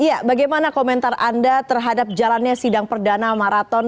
iya bagaimana komentar anda terhadap jalannya sidang perdana maraton